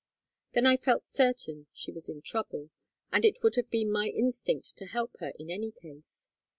Then I felt certain she was in trouble, and it would have been my instinct to help her in any case.